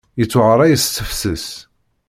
Yettwaɣray s tefses.